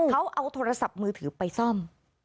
เขาเอาโทรศัพท์มือถือไปซ่อม